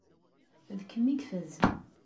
D kemm i ifazen.